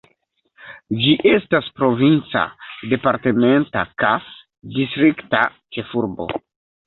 Ĝi estas provinca, departementa ka distrikta ĉefurbo.